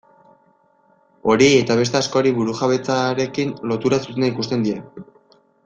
Horiei eta beste askori burujabetzarekin lotura zuzena ikusten die.